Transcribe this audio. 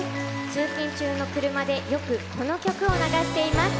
通勤中の車でよく、この曲を流しています。